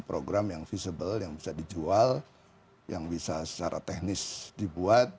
program yang visible yang bisa dijual yang bisa secara teknis dibuat